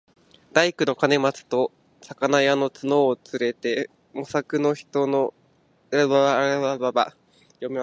大工の兼公と肴屋の角をつれて、茂作の人参畠をあらした事がある。